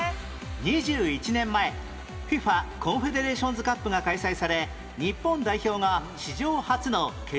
２１年前 ＦＩＦＡ コンフェデレーションズカップが開催され日本代表が史上初の決勝進出